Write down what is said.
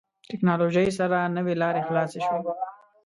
ټکنالوژي سره نوې لارې خلاصې شوې.